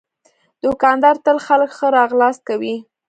دوکاندار تل خلک ښه راغلاست کوي.